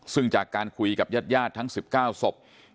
ซึ่งจากการคุยกับญาติทั้ง๑๙ศพ